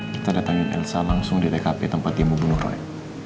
kita datangin elsa langsung di tkp tempat dia mau bunuh roy